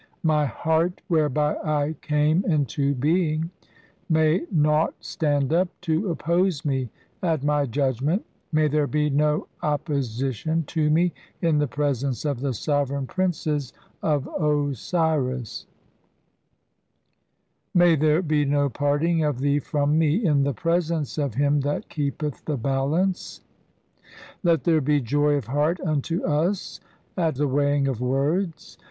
My heart "whereby I came into being ! May naught stand up to "oppose me at my judgment ; may there be no oppo sition to me in the presence of the sovereign princes "[of Osiris] ; may there be no parting of thee from "me in the presence of him that keepeth the Balance" (see p. 79). "Let there be joy of heart unto us at the "weighing of words.